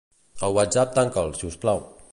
El Whatsapp tanca'l, si us plau.